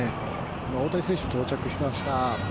大谷選手、到着しました。